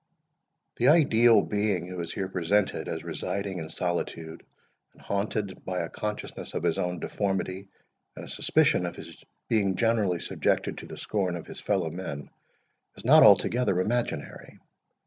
The ideal being who is here presented as residing in solitude, and haunted by a consciousness of his own deformity, and a suspicion of his being generally subjected to the scorn of his fellow men, is not altogether imaginary.